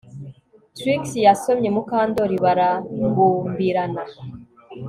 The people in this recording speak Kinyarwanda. Trix yasomye Mukandoli baragumbirana